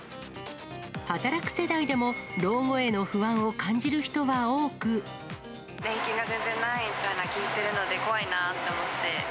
働く世代でも、年金が全然ないっていうのは、聞いているので、怖いなって思って。